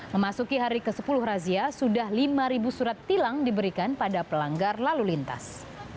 memasuki hari ke sepuluh razia sudah lima surat tilang diberikan pada pelanggar lalu lintas